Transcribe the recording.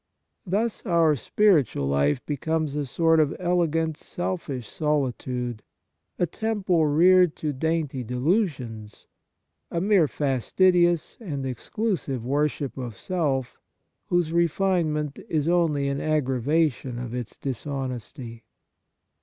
Thus our spiritual life becomes a sort of elegant selfish solitude, a temple reared to dainty delusions, a mete fastidious and exclusive worship of self whose refinement is only an aggravation of its dishonesty.